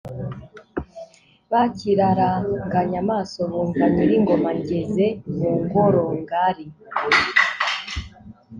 bakiraranganya amaso, bumva nyiringoma ngeze mu ngorongari